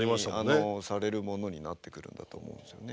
本当にあのされるものになってくるんだと思うんですよね。